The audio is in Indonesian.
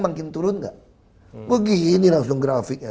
makin turun nggak begini langsung grafiknya